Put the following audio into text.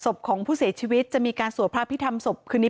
สมของผู้เสียชีวิตจะมีการสวยพราคามภิกรทำสมคืนนี้